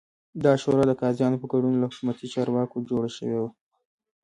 دا شورا د قاضیانو په ګډون له حکومتي چارواکو جوړه شوې وه